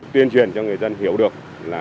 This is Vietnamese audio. tuyên truyền cho người dân hiểu được là